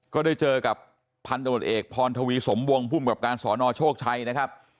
ก็ได้เจอกับพันธบทเอกพรทวีสมวงภูมิกับการสอนอโชคชัยนะครับ